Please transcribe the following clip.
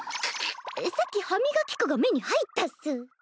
さっき歯磨き粉が目に入ったっス。